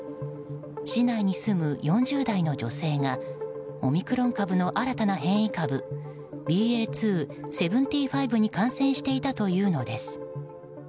市内に住む４０代の女性がオミクロン株の新たな変異株ＢＡ．２．７５に感染していたというのです。